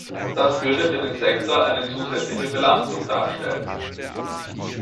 Das würde für den Sektor eine zusätzliche Belastung darstellen.